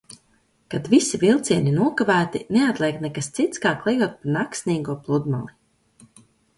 Kad visi vilcieni nokavēti, neatliek nekas cits kā klejot pa naksnīgo pludmali.